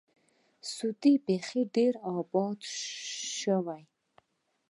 سعودي بیخي ډېر آباد شوی.